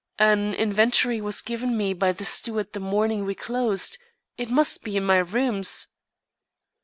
"An inventory was given me by the steward the morning we closed. It must be in my rooms."